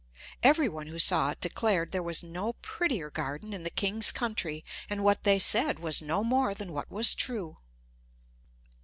Every one who saw it declared there was no prettier garden in the king's country and what they said was no more than what was true.